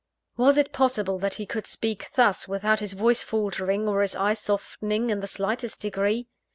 Was it possible that he could speak thus, without his voice faltering, or his eye softening in the slightest degree?